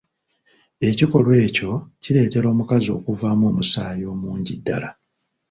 Ekikolwa ekyo kireetera omukazi okuvaamu omusaayi omungi ddala.